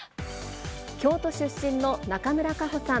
京都出身の中村佳穂さん